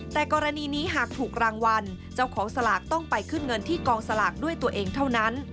แต่กรณีนี้หากถูกรางวัลเจ้าของสลากต้องไปขึ้นเงินที่กองสลากด้วยตัวเองเท่านั้น